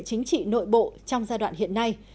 chính trị nội bộ trong giai đoạn hiện nay